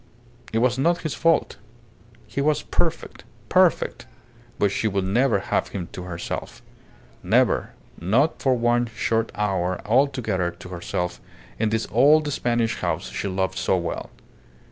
It was not his fault. He was perfect, perfect; but she would never have him to herself. Never; not for one short hour altogether to herself in this old Spanish house she loved so well!